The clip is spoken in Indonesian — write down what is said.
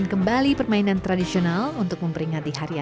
perlu lihat minat anak nih apa